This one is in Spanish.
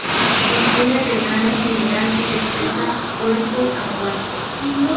Dispone de gran agilidad y destreza cuerpo a cuerpo.